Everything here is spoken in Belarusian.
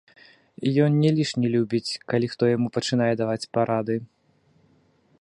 Ён не лішне любіць, калі хто яму пачынае даваць парады.